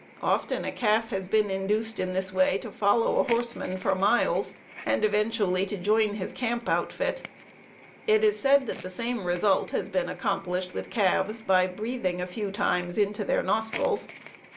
Often a calf has been induced in this way to follow a horseman for miles, and eventually to join his camp outfit. It is said that the same result has been accomplished with calves by breathing a few times into their nostrils.